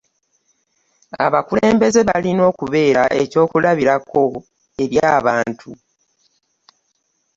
abakulembeze balina okubeera ekyokulabirako eri abantu .